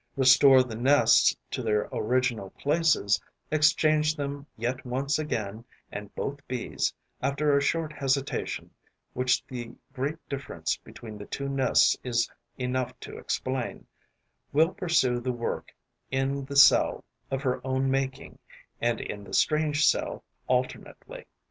Restore the nests to their original places, exchange them yet once again and both Bees, after a short hesitation which the great difference between the two nests is enough to explain, will pursue the work in the cell of her own making and in the strange cell alternately.